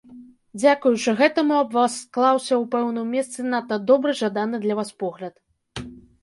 Дзякуючы гэтаму аб вас склаўся ў пэўным месцы надта добры, жаданы для вас погляд.